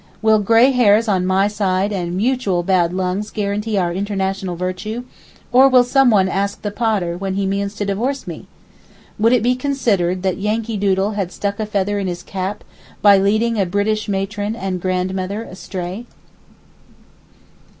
Will gray hairs on my side and mutual bad lungs guarantee our international virtue; or will someone ask the Pater when he means to divorce me? Would it be considered that Yankeedoodle had 'stuck a feather in his cap' by leading a British matron and grandmother astray?